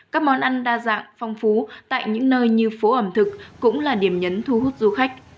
các món ăn đa dạng phong phú tại những nơi như phố ẩm thực cũng là điểm nhấn thu hút du khách